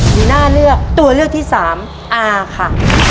ลีน่าเลือกตัวเลือกที่สามอาค่ะ